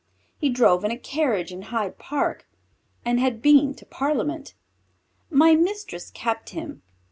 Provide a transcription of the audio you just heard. He drove in a carriage in Hyde Park and had been to parliament. My mistress kept him.